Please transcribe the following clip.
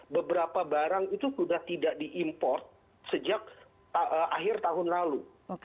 beberapa barang itu sudah tidak diimport sejak akhir tahun lalu